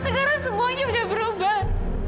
sekarang semuanya udah berubah